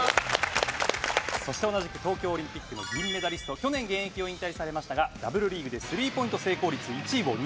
そして同じく東京オリンピックの銀メダリスト去年現役を引退されましたがＷリーグでスリーポイント成功率１位を２度獲得。